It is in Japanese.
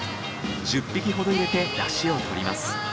１０匹ほど入れてだしを取ります。